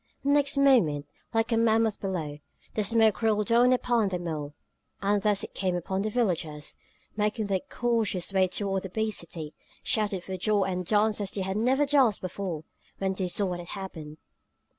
Next moment, like a mammoth billow, the smoke rolled down upon them all. And thus it came about that the villagers, making their cautious way toward the bee city, shouted for joy and danced as they had never danced before, when they saw what had happened.